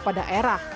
di jawa tengah